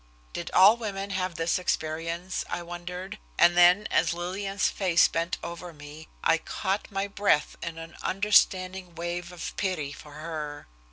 Did all women have this experience I wondered, and then as Lillian's face bent over me I caught my breath in an understanding wave of pity for her.